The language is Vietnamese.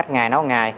ngày nấu một ngày